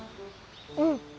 うん。